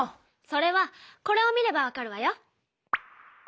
それはこれを見ればわかるわよ。